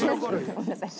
ごめんなさい。